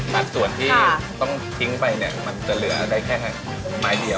แต่ส่วนที่ต้องทิ้งไปมันจะเหลือได้แค่ให้ไม้เดียว